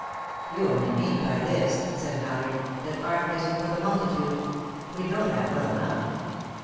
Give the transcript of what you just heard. "You only mean by this," said Mallard, "that art isn't for the multitude. We know that well enough."